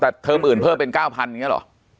แต่เทอมอื่นเพิ่มเป็น๙๐๐อย่างนี้เหรอ